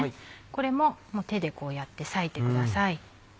これも手でこうやって割いてください。